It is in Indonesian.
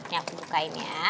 yang aku bukain ya